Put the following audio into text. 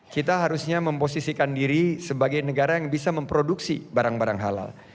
kita harusnya memposisikan diri sebagai negara yang bisa memproduksi barang barang halal